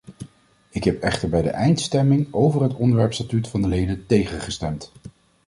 Ik heb echter bij de eindstemming over het ontwerpstatuut van de leden tegengestemd.